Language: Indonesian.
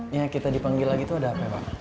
ya kita dipanggil lagi itu ada apa ya pak